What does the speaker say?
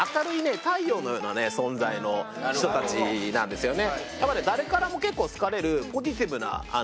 のような存在の人たちなんですよね